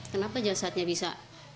kenapa jasadnya bisa